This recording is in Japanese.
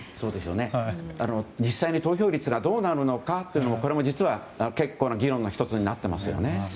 実際に投票率がどうなるかというのをこれも実は結構な議論の１つになっていますね。